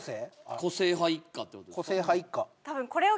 個性派一家ってことですか？